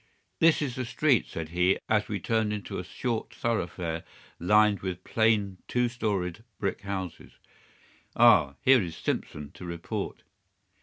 "This is the street," said he, as we turned into a short thoroughfare lined with plain two storied brick houses. "Ah, here is Simpson to report."